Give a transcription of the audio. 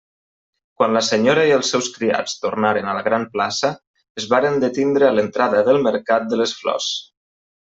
Quan la senyora i els seus criats tornaren a la gran plaça, es varen detindre a l'entrada del mercat de les flors.